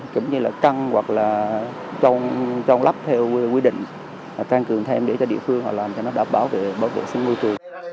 cũng như là căng hoặc là trong lắp theo quy định căng cường thêm để cho địa phương họ làm cho nó đảm bảo vệ sinh môi trường